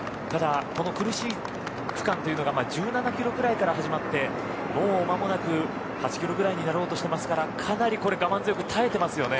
ただこの苦しい区間というのが１７キロぐらいから始まってもう間もなく８キロぐらいになろうとしていますから、かなり我慢強く耐えてます。